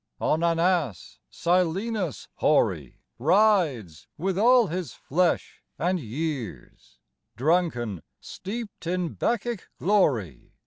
On an ass Silenus hoary Rides, with all his flesh and years, Drunken, steeped in Bacchic glory.